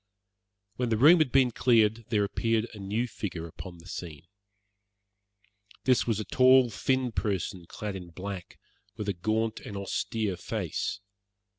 When the room had been cleared there appeared a new figure upon the scene. This was a tall, thin person clad in black, with a gaunt and austere face.